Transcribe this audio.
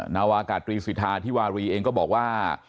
นาวากาตรีสิทธาธิวารีเองก็บอกว่า